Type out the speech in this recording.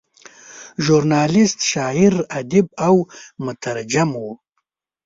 ژورنالیسټ، شاعر، ادیب او مترجم و.